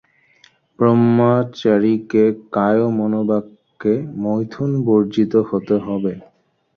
ব্রহ্মচারীকে কায়মনোবাক্যে মৈথুনবর্জিত হতে হবে।